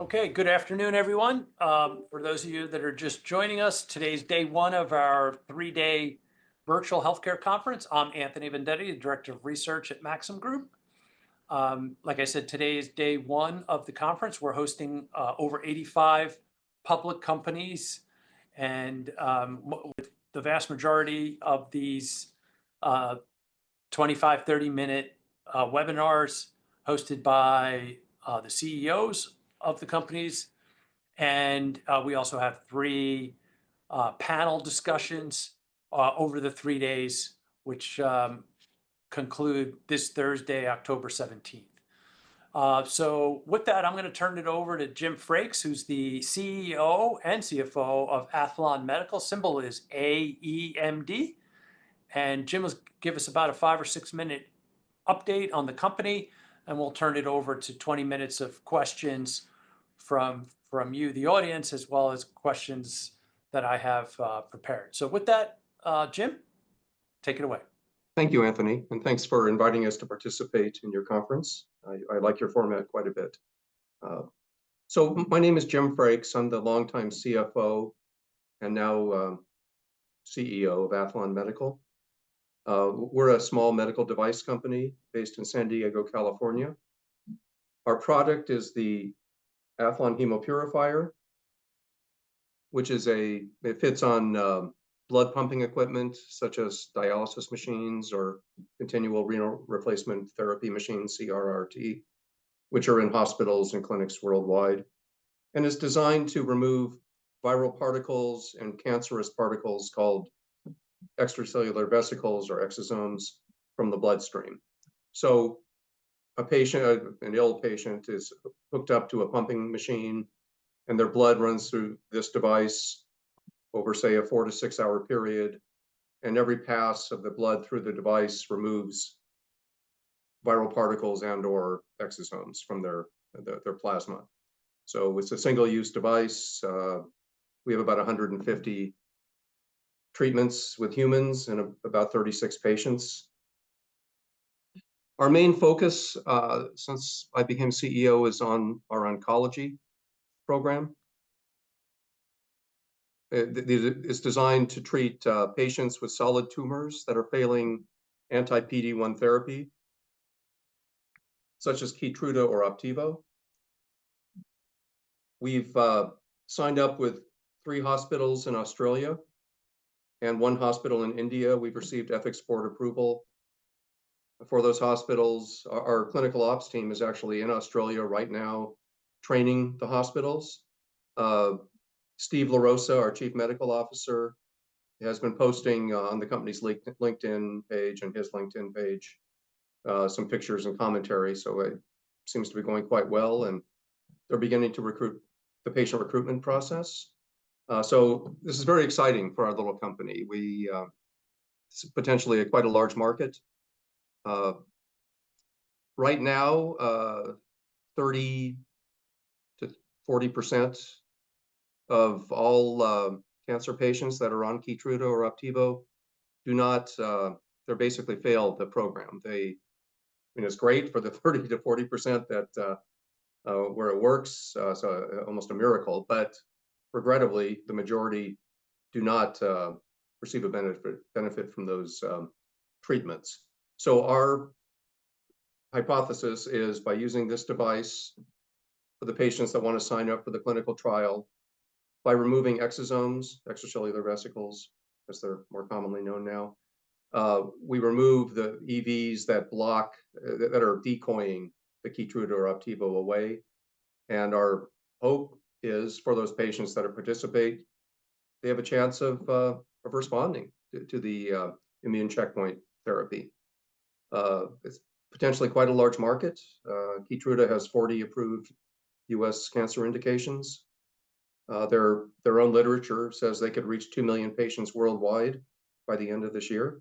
Okay, good afternoon, everyone. For those of you that are just joining us, today is day one of our three-day Virtual Healthcare Conference. I'm Anthony Vendetti, the Director of Research at Maxim Group. Like I said, today is day one of the conference. We're hosting over 85 public companies, and the vast majority of these 25-, 30-minute webinars hosted by the CEOs of the companies. And we also have three panel discussions over the three days, which conclude this Thursday, October 17th. So with that, I'm gonna turn it over to Jim Frakes, who's the CEO and CFO of Aethlon Medical. Symbol is AEMD, and Jim will give us about a five or six-minute update on the company, and we'll turn it over to 20 minutes of questions from you, the audience, as well as questions that I have prepared, so with that, Jim, take it away. Thank you, Anthony, and thanks for inviting us to participate in your conference. I like your format quite a bit. So my name is Jim Frakes. I'm the longtime CFO, and now CEO of Aethlon Medical. We're a small medical device company based in San Diego, California. Our product is the Aethlon Hemopurifier, which is. It fits on blood pumping equipment, such as dialysis machines or continuous renal replacement therapy machines, CRRT, which are in hospitals and clinics worldwide, and is designed to remove viral particles and cancerous particles called extracellular vesicles or exosomes from the bloodstream. A patient, an ill patient is hooked up to a pumping machine, and their blood runs through this device over, say, a four- to six-hour period, and every pass of the blood through the device removes viral particles and/or exosomes from their plasma. So it's a single-use device. We have about 150 treatments with humans and about 36 patients. Our main focus, since I became CEO, is on our oncology program. The, it's designed to treat patients with solid tumors that are failing anti-PD-1 therapy, such as Keytruda or Opdivo. We've signed up with three hospitals in Australia and one hospital in India. We've received ethics board approval for those hospitals. Our clinical ops team is actually in Australia right now, training the hospitals. Steve LaRosa, our Chief Medical Officer, has been posting on the company's LinkedIn page and his LinkedIn page some pictures and commentary, so it seems to be going quite well, and they're beginning to recruit the patient recruitment process. So this is very exciting for our little company. It's potentially quite a large market. Right now, 30%-40% of all cancer patients that are on Keytruda or Opdivo do not, they basically fail the program. They- I mean, it's great for the 30%-40% that where it works, so almost a miracle, but regrettably, the majority do not receive a benefit from those treatments. Our hypothesis is, by using this device, for the patients that want to sign up for the clinical trial, by removing exosomes, extracellular vesicles, as they're more commonly known now, we remove the EVs that block, that are decoying the Keytruda or Opdivo away, and our hope is for those patients that are participate, they have a chance of responding to the immune checkpoint therapy. It's potentially quite a large market. Keytruda has 40 approved U.S. cancer indications. Their own literature says they could reach two million patients worldwide by the end of this year.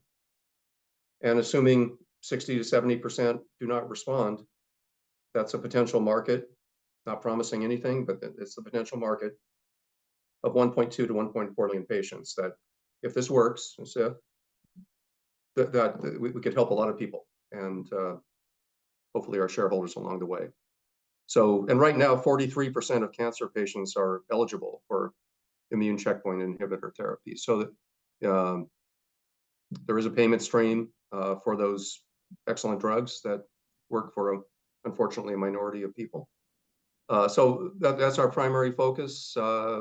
Assuming 60%-70% do not respond, that's a potential market, not promising anything, but it's a potential market of 1.2 million-1.4 million patients that if this works, let's say, we could help a lot of people and hopefully our shareholders along the way. And right now, 43% of cancer patients are eligible for immune checkpoint inhibitor therapy. So, there is a payment stream for those excellent drugs that work for, unfortunately, a minority of people. So that's our primary focus.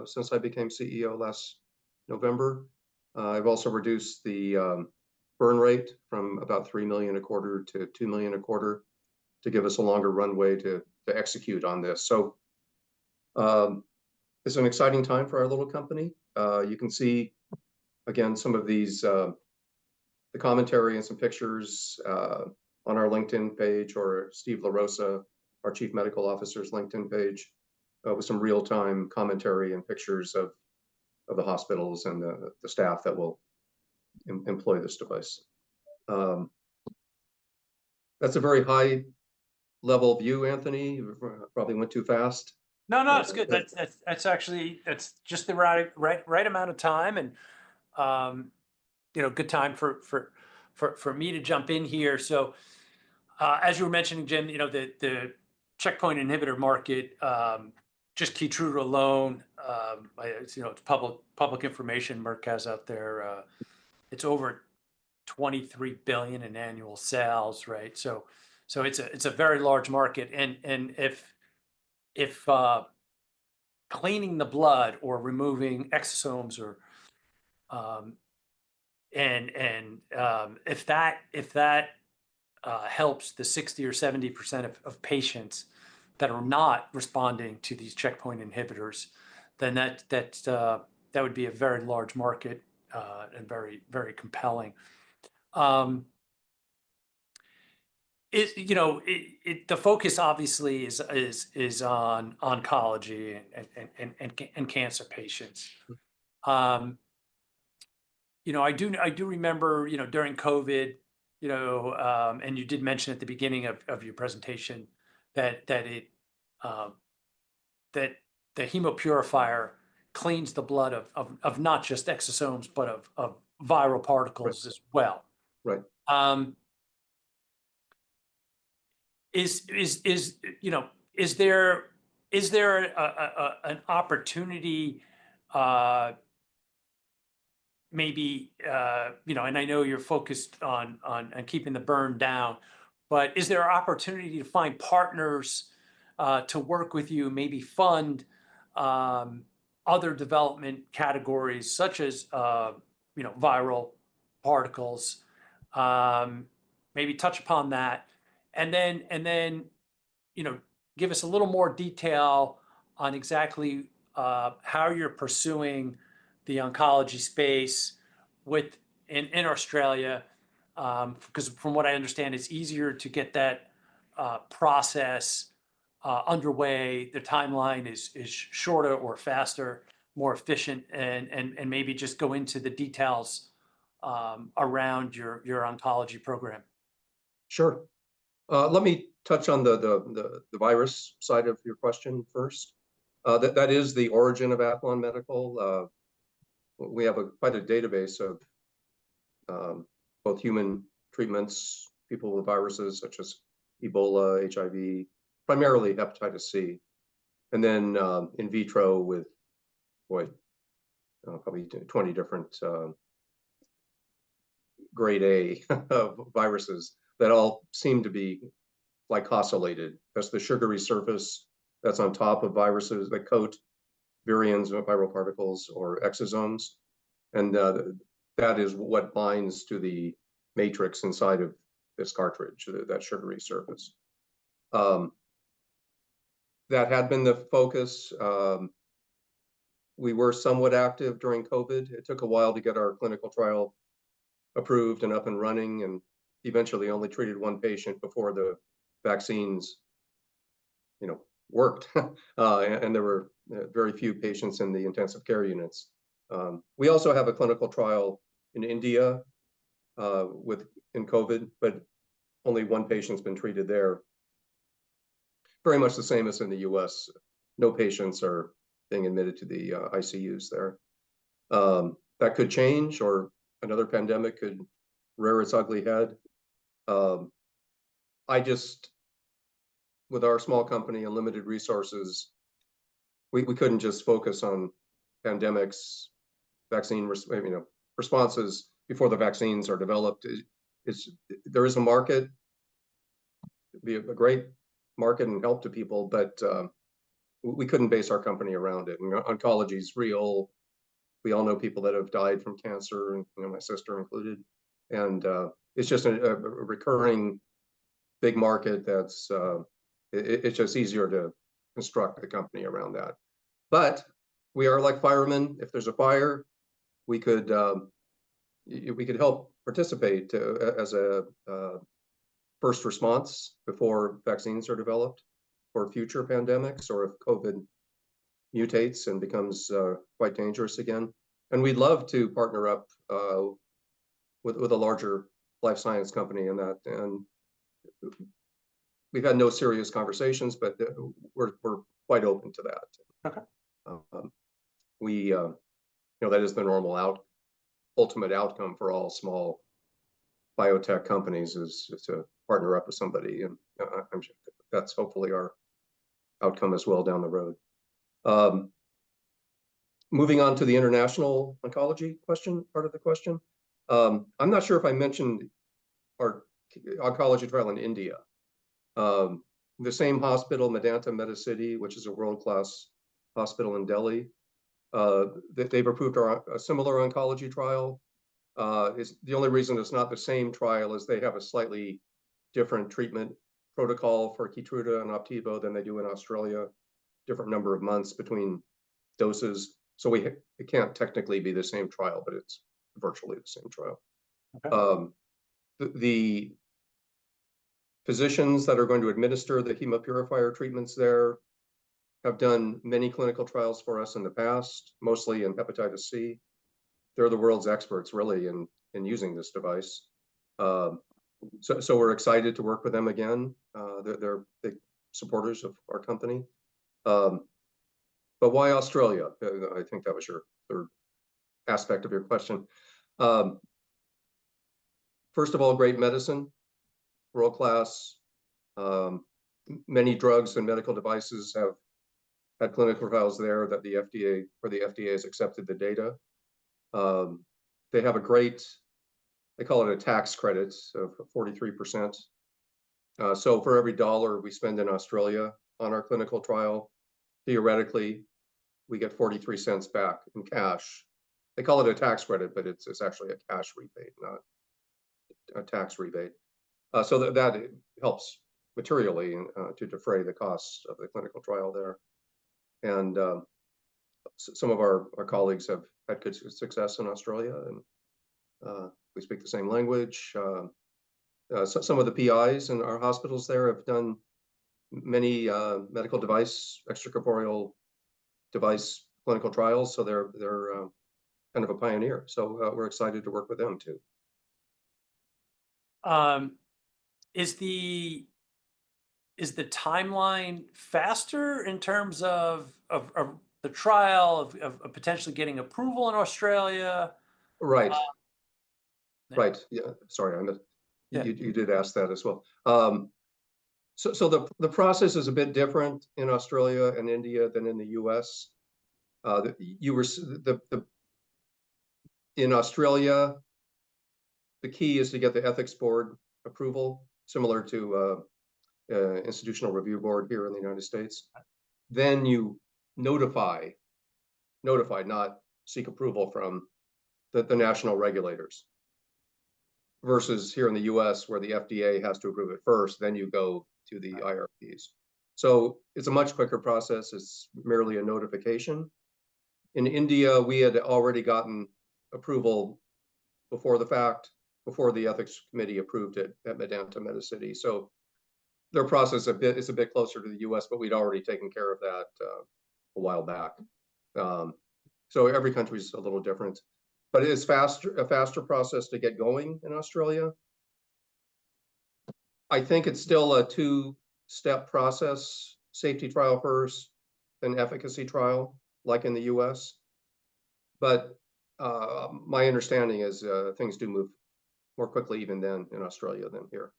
Since I became CEO last November, I've also reduced the burn rate from about $3 million a quarter to $2 million a quarter to give us a longer runway to execute on this. So, it's an exciting time for our little company. You can see, again, some of these, the commentary and some pictures on our LinkedIn page, or Steve LaRosa, our Chief Medical Officer's LinkedIn page, with some real-time commentary and pictures of the hospitals and the staff that will employ this device. That's a very high-level view, Anthony. Probably went too fast. No, no, it's good. That's, that's. It's actually, it's just the right amount of time, and you know, good time for me to jump in here. So, as you were mentioning, Jim, you know, the checkpoint inhibitor market, just Keytruda alone, it's, you know, it's public information Merck has out there. It's over $23 billion in annual sales, right? So, it's a very large market, and if cleaning the blood or removing exosomes or. And if that helps the 60% or 70% of patients that are not responding to these checkpoint inhibitors, then that would be a very large market, and very compelling. You know, the focus obviously is on oncology and cancer patients. You know, I do remember, you know, during COVID, you know, and you did mention at the beginning of your presentation, that the Hemopurifier cleans the blood of not just exosomes, but of viral particles. Right... as well. Right. Is there an opportunity, maybe, you know, and I know you're focused on keeping the burn down, but is there an opportunity to find partners to work with you, maybe fund other development categories such as, you know, viral particles? Maybe touch upon that, and then, you know, give us a little more detail on exactly how you're pursuing the oncology space within Australia. Because from what I understand, it's easier to get that process underway. The timeline is shorter or faster, more efficient, and maybe just go into the details around your oncology program. Sure. Let me touch on the virus side of your question first. That is the origin of Aethlon Medical. We have quite a database of both human treatments, people with viruses such as Ebola, HIV, primarily hepatitis C, and then in vitro with probably 20 different grade A viruses that all seem to be glycosylated. That's the sugary surface that's on top of viruses that coat variants of viral particles or exosomes, and that is what binds to the matrix inside of this cartridge, that sugary surface. That had been the focus. We were somewhat active during COVID. It took a while to get our clinical trial approved and up and running, and eventually only treated one patient before the vaccines, you know, worked. And there were very few patients in the intensive care units. We also have a clinical trial in India with in COVID, but only one patient's been treated there. Very much the same as in the U.S., no patients are being admitted to the ICUs there. That could change or another pandemic could rear its ugly head. With our small company and limited resources, we couldn't just focus on pandemics, vaccine responses you know, before the vaccines are developed. It's, there is a market, it'd be a great market and help to people, but we couldn't base our company around it. And you know, oncology is real. We all know people that have died from cancer, and you know, my sister included. And it's just a recurring big market that's... It's just easier to construct the company around that. But we are like firemen. If there's a fire, we could help participate as a first response before vaccines are developed for future pandemics or if COVID mutates and becomes quite dangerous again. And we'd love to partner up with a larger life science company in that. And we've had no serious conversations, but we're quite open to that. Okay. We... You know, that is the normal ultimate outcome for all small biotech companies, is to partner up with somebody, and I'm sure that's hopefully our outcome as well down the road. Moving on to the international oncology question, part of the question, I'm not sure if I mentioned our oncology trial in India. The same hospital, Medanta - The Medicity, which is a world-class hospital in Delhi, that they've approved a similar oncology trial. Is the only reason it's not the same trial is they have a slightly different treatment protocol for Keytruda and Opdivo than they do in Australia, different number of months between doses. So it can't technically be the same trial, but it's virtually the same trial. Okay. The physicians that are going to administer the Hemopurifier treatments there have done many clinical trials for us in the past, mostly in hepatitis C. They're the world's experts, really, in using this device. So we're excited to work with them again. They're big supporters of our company. But why Australia? I think that was your third aspect of your question. First of all, great medicine, world-class. Many drugs and medical devices have had clinical trials there that the FDA or the FDA has accepted the data. They have a great. They call it a tax credits of 43%. So for every dollar we spend in Australia on our clinical trial, theoretically, we get 0.43 back in cash. They call it a tax credit, but it's actually a cash rebate, not a tax rebate. So that helps materially to defray the costs of the clinical trial there. Some of our colleagues have had good success in Australia, and we speak the same language. Some of the PIs in our hospitals there have done many medical device, extracorporeal device, clinical trials, so they're kind of a pioneer. So we're excited to work with them, too. Is the timeline faster in terms of the trial of potentially getting approval in Australia? Right. Um- Right. Yeah, sorry, I know- Yeah... you did ask that as well. So the process is a bit different in Australia and India than in the U.S. In Australia, the key is to get the ethics board approval, similar to institutional review board here in the United States. Right. Then you notify, not seek approval from the national regulators, versus here in the U.S., where the FDA has to approve it first, then you go to the IRBs. So it's a much quicker process. It's merely a notification. In India, we had already gotten approval before the fact, before the ethics committee approved it at Medanta - The Medicity. So their process is a bit closer to the U.S., but we'd already taken care of that a while back. So every country is a little different, but it is a faster process to get going in Australia. I think it's still a two-step process, safety trial first, then efficacy trial, like in the U.S. But my understanding is things do move more quickly even then in Australia than here.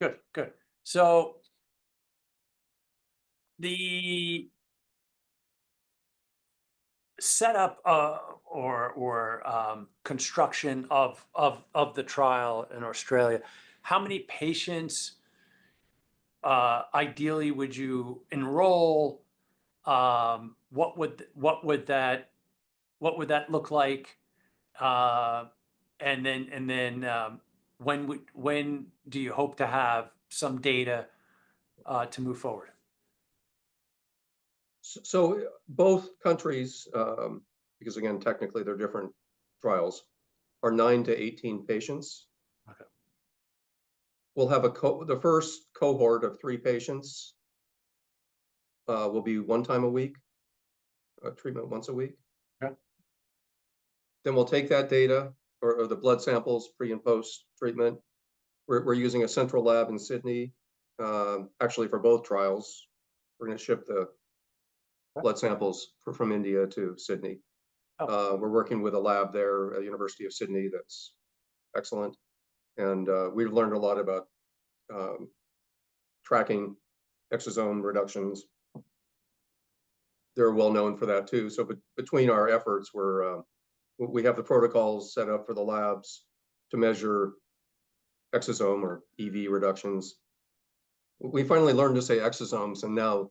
Good. Good. So the setup or construction of the trial in Australia, how many patients ideally would you enroll? What would that look like? And then, when do you hope to have some data to move forward? so both countries, because again, technically, they're different trials, are nine to 18 patients. Okay. We'll have the first cohort of three patients will be one time a week, a treatment once a week. Yeah. Then we'll take that data or the blood samples, pre and post-treatment. We're using a central lab in Sydney. Actually, for both trials, we're going to ship the- Okay... blood samples from India to Sydney. Okay. We're working with a lab there at the University of Sydney that's excellent, and we've learned a lot about tracking exosome reductions. They're well-known for that, too. So between our efforts, we have the protocols set up for the labs to measure exosome or EV reductions. We finally learned to say exosomes, and now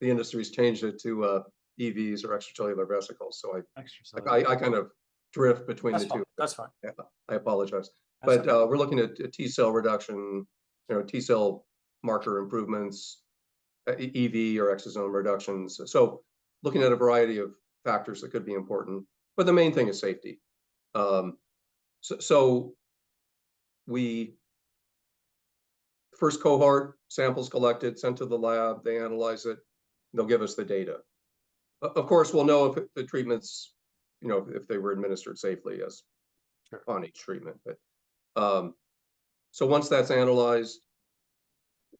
the industry's changed it to EVs or extracellular vesicles. So I- Extracellular... I kind of drift between the two. That's fine. That's fine. Yeah. I apologize. That's fine. But, we're looking at T cell reduction, you know, T cell marker improvements, EV or exosome reductions. So looking at a variety of factors that could be important, but the main thing is safety. So we... First cohort, samples collected, sent to the lab, they analyze it, they'll give us the data. Of course, we'll know if the treatments, you know, if they were administered safely, as- Sure... on each treatment. But, so once that's analyzed,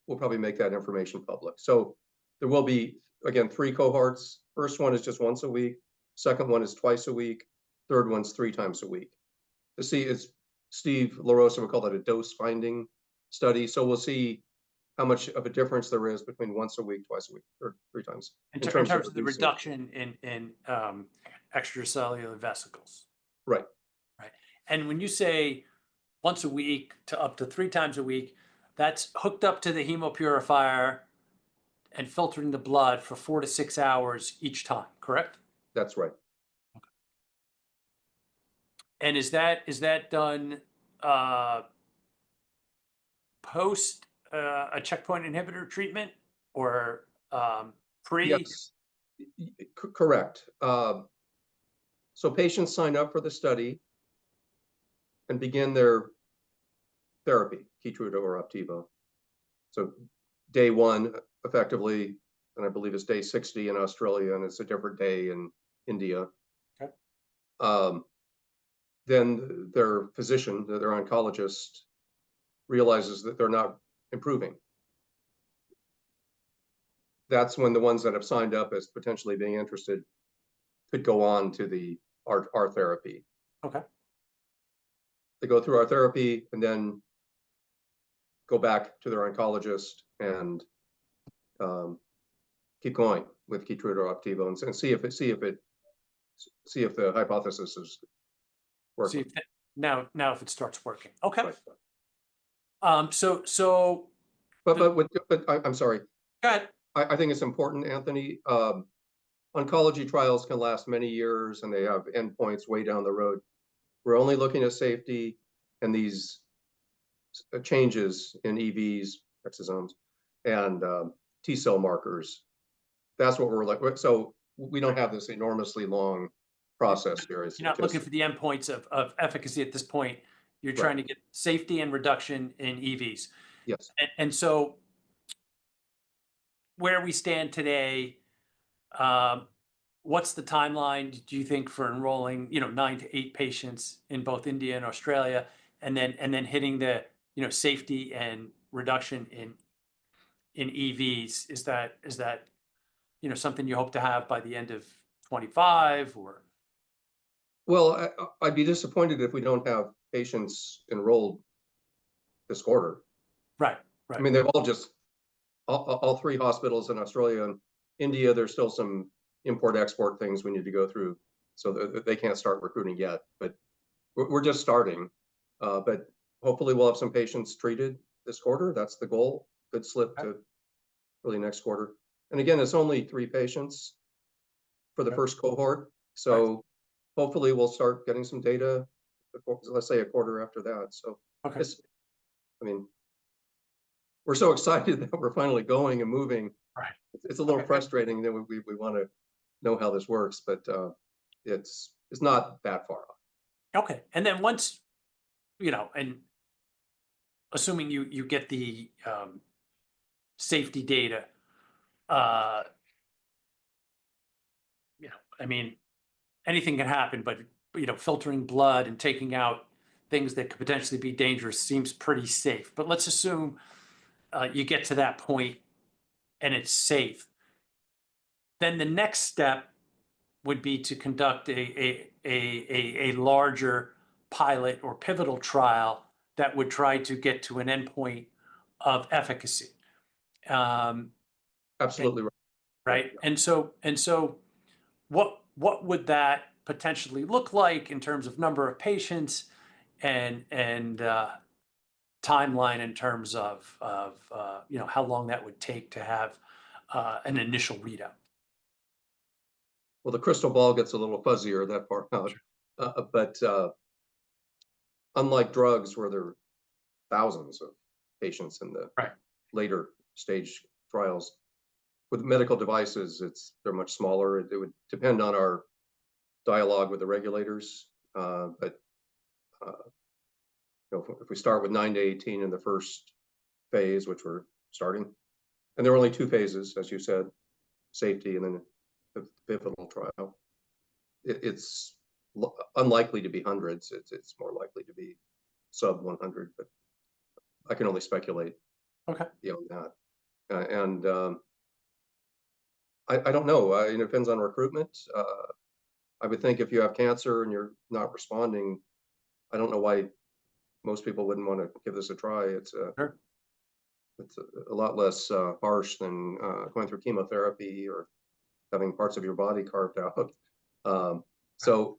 we'll probably make that information public. So there will be, again, three cohorts. First one is just once a week, second one is twice a week, third one's three times a week. To see, as Steve LaRosa would call that, a dose-finding study. So we'll see how much of a difference there is between once a week, twice a week or three times, in terms of- In terms of the reduction in extracellular vesicles. Right. Right. And when you say once a week to up to three times a week, that's hooked up to the Hemopurifier and filtering the blood for four to six hours each time, correct? That's right. Okay. And is that done post a checkpoint inhibitor treatment or pre? Yes. Correct, so patients sign up for the study and begin their therapy, Keytruda or Opdivo, so day one, effectively, and I believe it's day 60 in Australia, and it's a different day in India. Okay. Then their physician, their oncologist, realizes that they're not improving. That's when the ones that have signed up as potentially being interested could go on to our therapy. Okay. They go through our therapy, and then go back to their oncologist, and keep going with Keytruda or Opdivo, and see if the hypothesis is working. See now if it starts working. Okay. Right. So, But I'm sorry. Go ahead. I think it's important, Anthony. Oncology trials can last many years, and they have endpoints way down the road. We're only looking at safety and these changes in EVs, exosomes, and T-cell markers. That's what we're like. So we don't have this enormously long process here as it is. You're not looking for the endpoints of efficacy at this point. Right. You're trying to get safety and reduction in EVs. Yes. So where we stand today, what's the timeline, do you think, for enrolling, you know, nine to eight patients in both India and Australia, and then hitting the, you know, safety and reduction in EVs? Is that, you know, something you hope to have by the end of 2025, or? I'd be disappointed if we don't have patients enrolled this quarter. Right. Right. I mean, they're all just... All three hospitals in Australia and India, there's still some import/export things we need to go through, so they can't start recruiting yet, but we're just starting. But hopefully we'll have some patients treated this quarter. That's the goal. Okay. Could slip to early next quarter. And again, it's only three patients for the first cohort- Right... so hopefully we'll start getting some data, let's say, a quarter after that. So- Okay... just, I mean, we're so excited that we're finally going and moving. Right. Okay. It's a little frustrating that we wanna know how this works, but it's not that far off. Okay, and then once, you know, and assuming you get the safety data. You know, I mean, anything can happen, but, you know, filtering blood and taking out things that could potentially be dangerous seems pretty safe. But let's assume you get to that point and it's safe, then the next step would be to conduct a larger pilot or pivotal trial that would try to get to an endpoint of efficacy. Absolutely right. Right? And so, what would that potentially look like in terms of number of patients and timeline in terms of, you know, how long that would take to have an initial readout? The crystal ball gets a little fuzzier that far out. But unlike drugs, where there are thousands of patients in the- Right... later stage trials, with medical devices, they're much smaller. It would depend on our dialogue with the regulators. But, you know, if we start with nine to 18 in the first phase, which we're starting, and there are only two phases, as you said, safety and then the pivotal trial, it's unlikely to be hundreds. It's more likely to be sub-100, but I can only speculate- Okay... you know, that. I don't know. It depends on recruitment. I would think if you have cancer and you're not responding, I don't know why most people wouldn't wanna give this a try. It's Sure... it's a lot less harsh than going through chemotherapy or having parts of your body carved out. So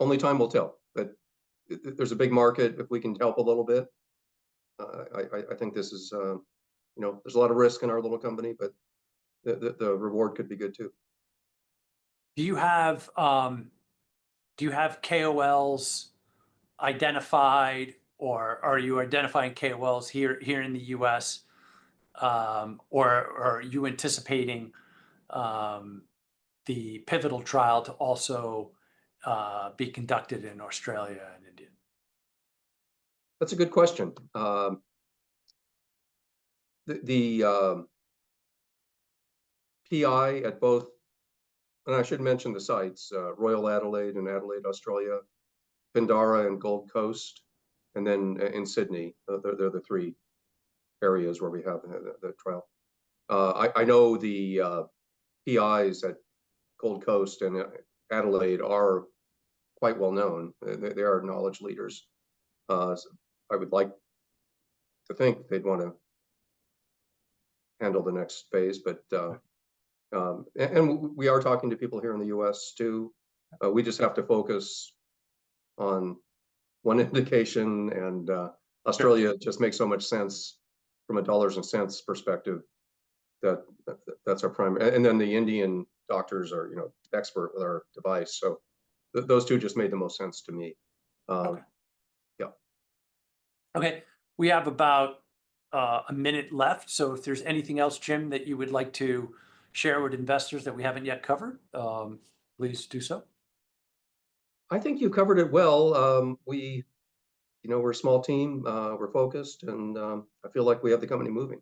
only time will tell. But there's a big market if we can help a little bit. I think this is... You know, there's a lot of risk in our little company, but the reward could be good, too. Do you have KOLs identified, or are you identifying KOLs here in the U.S., or are you anticipating the pivotal trial to also be conducted in Australia and India? That's a good question. The PI at both. And I should mention the sites, Royal Adelaide in Adelaide, Australia, Pindara in Gold Coast, and then in Sydney. They're the three areas where we have the trial. I know the PIs at Gold Coast and Adelaide are quite well known. They are key opinion leaders. So I would like to think they'd wanna handle the next phase, but. And we are talking to people here in the U.S., too, we just have to focus on one indication, and. Sure... Australia just makes so much sense from a dollars and cents perspective, that that's our primary and then the Indian doctors are, you know, expert with our device. So those two just made the most sense to me. Okay. Yeah. Okay. We have about a minute left, so if there's anything else, Jim, that you would like to share with investors that we haven't yet covered, please do so. I think you've covered it well. We, you know, we're a small team. We're focused, and I feel like we have the company moving.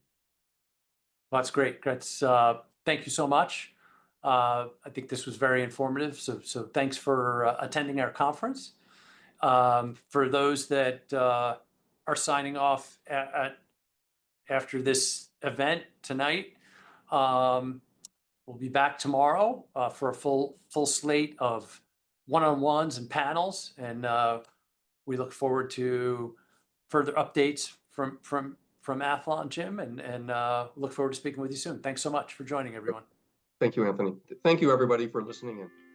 That's great. Thank you so much. I think this was very informative, so thanks for attending our conference. For those that are signing off after this event tonight, we'll be back tomorrow for a full slate of one-on-ones and panels, and we look forward to further updates from Aethlon, Jim, and look forward to speaking with you soon. Thanks so much for joining, everyone. Thank you, Anthony. Thank you, everybody, for listening in.